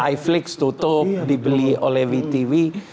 iflix tutup dibeli oleh wtw